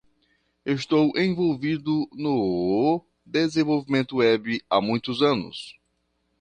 Estou envolvido no desenvolvimento web há muitos anos.